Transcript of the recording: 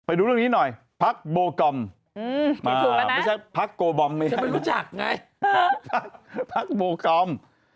ไปดูเรียกนี้หน่อยพรรกโบกอม